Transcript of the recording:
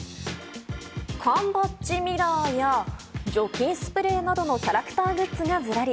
缶バッジミラーや除菌スプレーなどのキャラクターグッズがずらり。